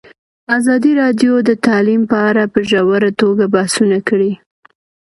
ازادي راډیو د تعلیم په اړه په ژوره توګه بحثونه کړي.